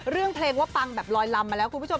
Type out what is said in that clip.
เรื่องเพลงว่าปังแบบลอยลำมาแล้วคุณผู้ชม